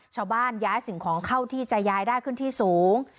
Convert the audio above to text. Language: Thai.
ย้ายสิ่งของเข้าที่จะย้ายได้ขึ้นที่สูง